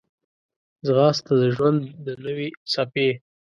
ځغاسته د ژوند د نوې څپې